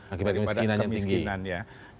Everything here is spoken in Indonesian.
akibat kemiskinan yang tinggi